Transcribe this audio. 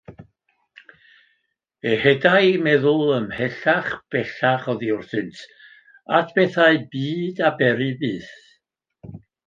Ehedai ei meddwl ymhellach bellach oddi wrthynt at bethau byd a bery byth.